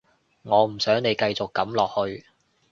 我唔想你繼續噉落去